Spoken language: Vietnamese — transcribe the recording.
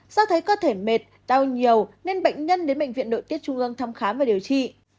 do thấy cơ thể mệt đau nhiều nên bệnh nhân đến bệnh viện nội tiết trung ương thăm khám và điều trị